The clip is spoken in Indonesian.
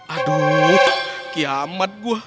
aduh kiamat gua